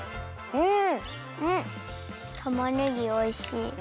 うん。